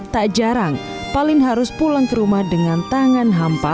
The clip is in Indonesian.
tak jarang paling harus pulang ke rumah dengan tangan hampa